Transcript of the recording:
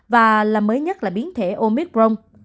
và mới nhất là biến thể omicron